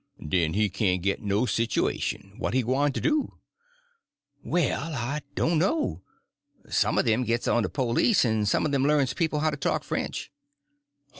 "Den he cain't git no situation. What he gwyne to do?" "Well, I don't know. Some of them gets on the police, and some of them learns people how to talk French."